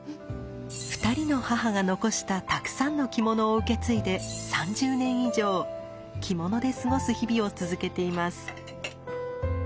２人の母が残したたくさんの着物を受け継いで３０年以上着物で過ごす日々を続けています。